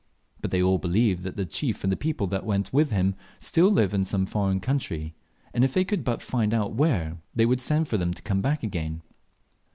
But they all believe that the chief and the people that went with him still live in some foreign country; and if they could but find out where, they would send for them to come back again.